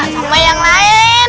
sama yang lain